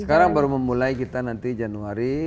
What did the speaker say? sekarang baru memulai kita nanti januari